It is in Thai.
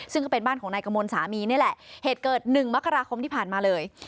ซึ่งก็เป็นบ้านของนายกระมวลสามีนี่แหละเหตุเกิด๑มกราคมที่ผ่านมาเลย